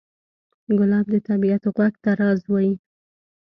ګلاب د طبیعت غوږ ته راز وایي.